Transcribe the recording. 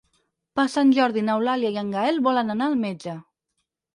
Per Sant Jordi n'Eulàlia i en Gaël volen anar al metge.